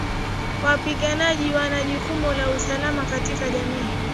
Wapiganaji wana jukumu la usalama katika jamii